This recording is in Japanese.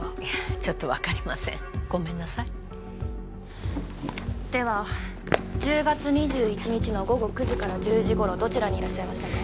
ちょっと分かりませんごめんなさいでは１０月２１日の午後９時から１０時頃どちらにいらっしゃいましたか？